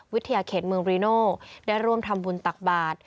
วิทยาเขตเมืองรีโน่ได้ร่วมทำบุญตักบาท